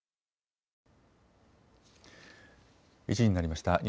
１時になりました。